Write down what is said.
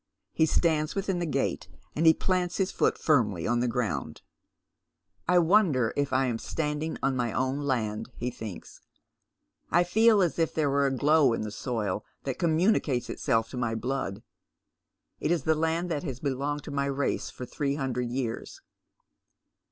He stands within the gate, and he plants his foot firmly on the gi'ound. " I wonder if I am standing on my own land ?" he thinks. " 1 feel as if there were a glow in the soil that communicates itself to my blood. It is the land that has belonged to my race for three hundred years."